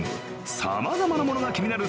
さまざまなものが気になる